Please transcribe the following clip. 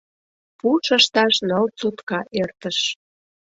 Пуш ышташ ныл сутка эртыш.